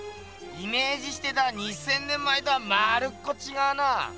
イメージしてた２，０００年前とはまるっこちがうな！